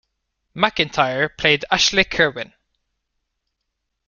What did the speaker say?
McIntyre played Ashley Kerwin.